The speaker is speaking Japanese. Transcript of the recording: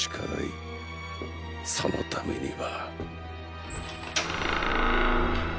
そのためには。